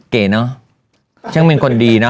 เก๋เนอะแช่งคนดีเนอะ